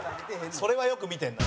それはよく見てるな。